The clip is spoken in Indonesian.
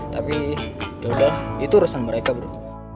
tapi yaudah itu urusan mereka berdua